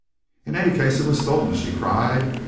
"In any case, it was stolen!" she cried.